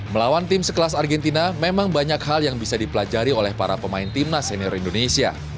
melawan tim sekelas argentina memang banyak hal yang bisa dipelajari oleh para pemain timnas senior indonesia